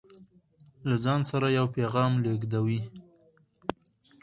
له ځان سره يو پيغام لېږدوي